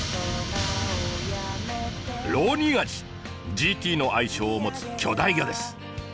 「ＧＴ」の愛称を持つ巨大魚です。